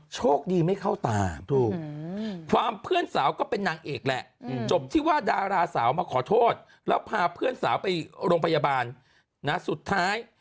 โชคดีไม่เข้าตาถูกความเพื่อนสาวก็เป็นนางเอกแหละจบที่ว่าดาราสาวมาขอโทษแล้วพาเพื่อนสาวไปโรงพยาบาลนะสุดท้าย